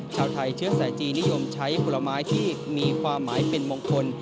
ชาวไทยเชื้อสายจีนนิยมใช้ผลไม้ที่มีความหมายเป็นมงคล